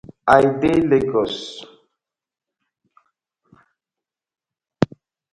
I dey Legos.